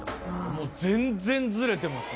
もう全然ずれてますね。